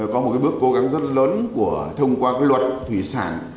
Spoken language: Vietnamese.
có một bước cố gắng rất lớn của thông qua cái luật thủy sản